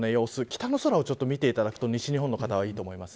北の空を見ていただくと西日本の方はいいと思います。